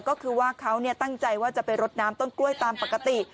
ก็คือว่าเขาตั้งใจว่าจะไปรดน้ำต้นกล้วยตามปกติ